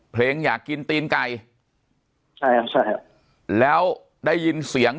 เพลงอยากกินตีนไก่ใช่ครับใช่แล้วได้ยินเสียง